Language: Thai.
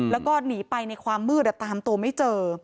แล้วก็หนีไปในความมืดตามตัวไม่เจอ